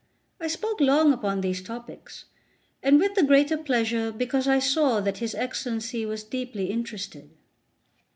I spoke long upon these topics, and with the greater pleasure because I saw that his Excellency was deeply interested.